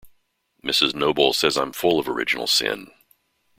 Mrs. Noble says I’m full of original sin.